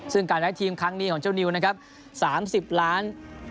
ซึ่งการได้ทีมครั้งนี้ของเจ้านิวนะครับ๓๐ล้าน